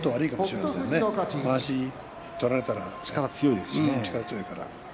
まわし取られたら力強いから。